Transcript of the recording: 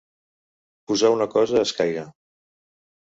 Posar una cosa a escaire.